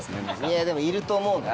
いやでもいると思うな。